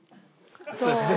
そうですね。